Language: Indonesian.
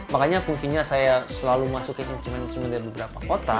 makanya fungsinya saya selalu masukin instrumen instrumen dari beberapa kota